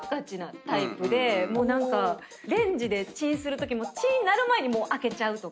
何かレンジでチンするときもチン鳴る前に開けちゃうとか。